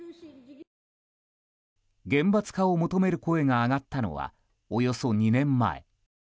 厳罰化を求める声が上がったのはおよそ２年前。